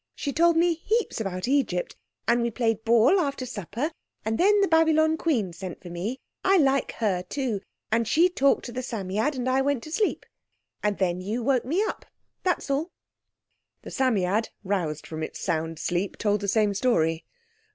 She told me heaps about Egypt. And we played ball after supper. And then the Babylon Queen sent for me. I like her too. And she talked to the Psammead and I went to sleep. And then you woke me up. That's all." The Psammead, roused from its sound sleep, told the same story.